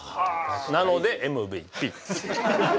なのでＭＶＰ。